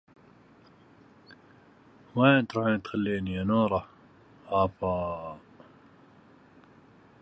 كل شيء أهديه غير بديع